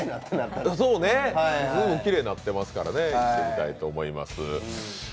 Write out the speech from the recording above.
そうね、随分きれいになってますから行ってみたいと思います。